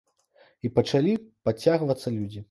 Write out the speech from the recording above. І пачалі падцягвацца людзі.